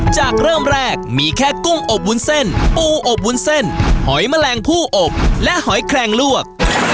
เริ่มแรกมีแค่กุ้งอบวุ้นเส้นปูอบวุ้นเส้นหอยแมลงผู้อบและหอยแคลงลวก